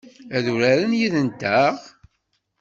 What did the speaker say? Ad uraren yid-nteɣ?